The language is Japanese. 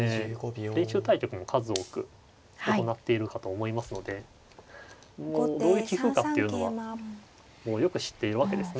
練習対局も数多く行っているかと思いますのでもうどういう棋風かっていうのはよく知っているわけですね。